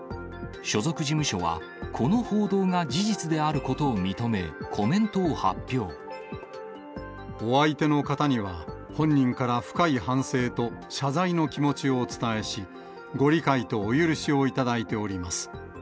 所属事務所は、この報道が事実でお相手の方には、本人から深い反省と謝罪の気持ちをお伝えし、ご理解とお許しをいただいております。